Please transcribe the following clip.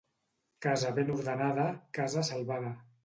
Casa ben ordenada, casa salvada.